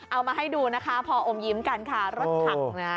เอามาให้ดูนะคะพออมยิ้มกันค่ะรถถังนะ